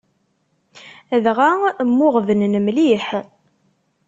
Dɣa mmuɣebnen mliḥ.